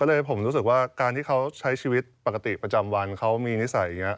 ก็เลยผมรู้สึกว่าการที่เขาใช้ชีวิตปกติประจำวันเขามีนิสัยอย่างนี้